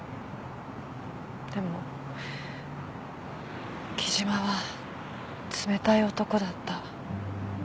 でも貴島は冷たい男だった。